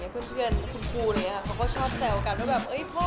เพื่อนคุณครูเขาก็ชอบแซวกัน